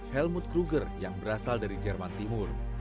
helmut gruger yang berasal dari jerman timur